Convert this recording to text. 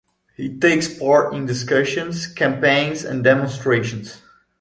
He takes part in discussions, campaigns and demonstrations.